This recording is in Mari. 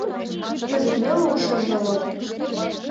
— Кызыт веле ушешда возо?